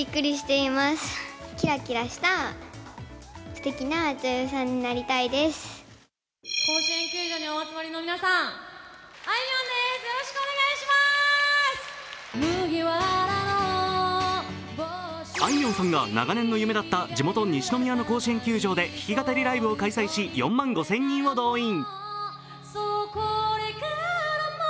あいみょんさんが長年の夢だった地元・西宮の甲子園球場で弾き語りライブを行い、４万５０００人を動員。